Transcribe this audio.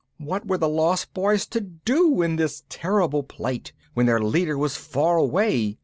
What were the Lost Boys to do in this terrible plight, when their leader was far away?